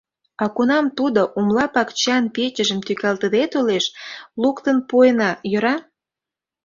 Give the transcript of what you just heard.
А кунам тудо умлапакчан печыжым тӱкалтыде толеш, луктын пуэна, йӧра?